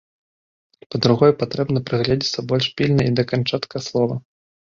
Па-другое, патрэбна прыгледзецца больш пільна і да канчатка слова.